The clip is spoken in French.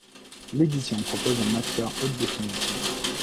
L'édition propose un master haute définition.